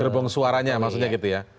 gerbong suaranya maksudnya gitu ya